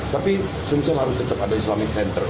tapi semestinya harus tetap ada islamic center